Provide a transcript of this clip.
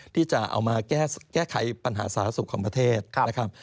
ที่จะเอามาแก้ไขปัญหาสาธารณสุขของประเทศนะครับ